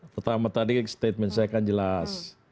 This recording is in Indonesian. pertama tadi statement saya kan jelas